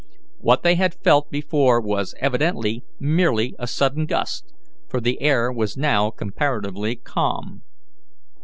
What they had felt before was evidently merely a sudden gust, for the air was now comparatively calm.